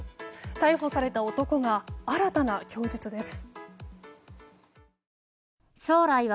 逮捕された男が新たな供述です。